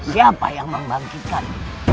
siapa yang membangkitkan